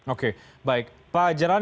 oke baik pak jaran